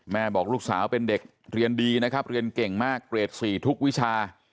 บอกลูกสาวเป็นเด็กเรียนดีนะครับเรียนเก่งมากเกรด๔ทุกวิชา